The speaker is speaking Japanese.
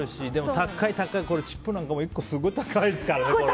高い高い、チップなんかもすごい高いですからね。